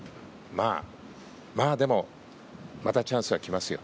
まあ、でもまたチャンスは来ますよ。